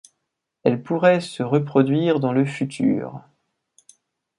Elle pourrait se reproduire dans le futur.